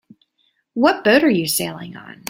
What boat you sailing on?